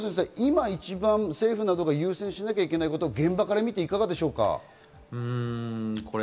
今、政府などが優先しなきゃいけないことは現場から見て、何でしょうか？